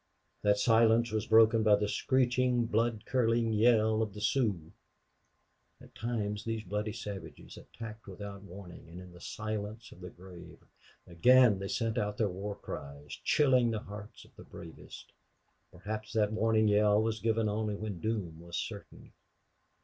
That silence was broken by the screeching, blood curdling yell of the Sioux. At times these bloody savages attacked without warning and in the silence of the grave; again they sent out their war cries, chilling the hearts of the bravest. Perhaps that warning yell was given only when doom was certain.